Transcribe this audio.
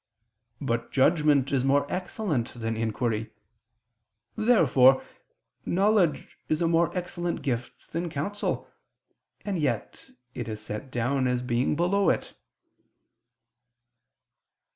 But judgment is more excellent than inquiry. Therefore knowledge is a more excellent gift than counsel; and yet it is set down as being below it.